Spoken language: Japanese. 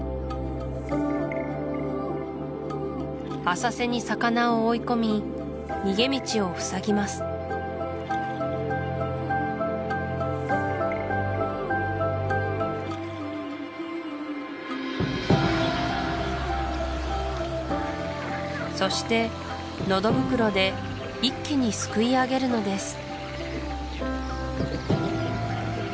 浅瀬に魚を追い込み逃げ道をふさぎますそしてのど袋で一気にすくいあげるのです